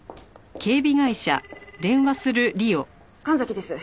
神崎です。